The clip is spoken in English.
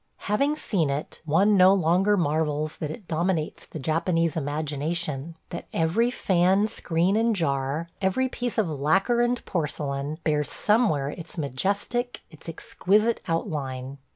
Having seen it, one no longer marvels that it dominates the Japanese imagination; that every fan, screen, and jar, every piece of lacquer and porcelain, bears somewhere its majestic, its exquisite outline.